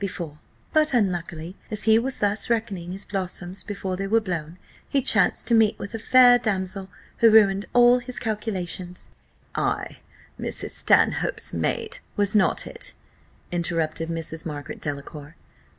before: but, unluckily, as he was thus reckoning his blossoms before they were blown, he chanced to meet with a fair damsel, who ruined all his calculations." "Ay, Mrs. Stanhope's maid, was not it?" interrupted Mrs. Margaret Delacour.